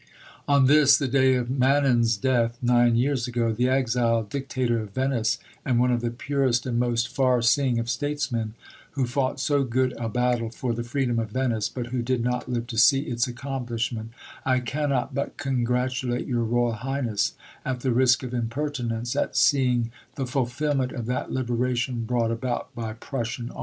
On this, the day of Manin's death nine years ago, the exiled Dictator of Venice and one of the purest and most far seeing of statesmen, who fought so good a battle for the freedom of Venice, but who did not live to see its accomplishment, I cannot but congratulate your Royal Highness, at the risk of impertinence, at seeing the fulfilment of that liberation brought about by Prussian arms.